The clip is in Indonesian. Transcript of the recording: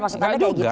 maksudnya enggak juga